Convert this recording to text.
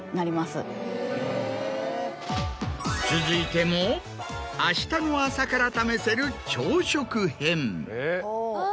続いても明日の朝から試せる朝食編。